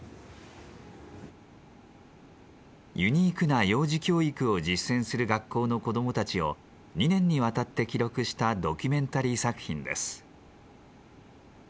ユニークな幼児教育を実践する学校の子どもたちを２年にわたって記録したドキュメンタリー作品です。